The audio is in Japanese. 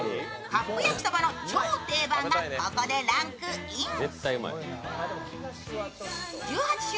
カップ焼きそばの超定番がここでランクイン。